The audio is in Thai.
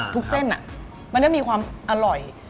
ทุกเส้นมันเริ่มมีความอร่อย